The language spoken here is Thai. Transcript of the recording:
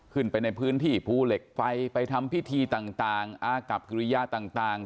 ขึ้นไปในพื้นที่ภูเหล็กไฟไปทำพิธีต่างอากับกิริยาต่าง